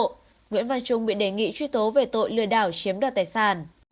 sau đó lại nguyễn văn trung bị đề nghị truy tố về tội lừa đảo chiếm đoạt tài sản